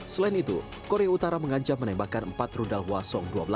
selain itu korea utara mengancam menembakkan empat rudal huasong dua belas